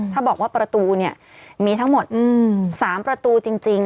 ถ้าบอกว่าประตูเนี่ยมีทั้งหมด๓ประตูจริง